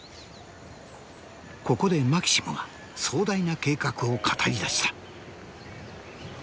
ここでマキシモが壮大な計画を語り出した。